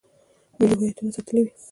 ملي هویتونه یې ساتلي وي.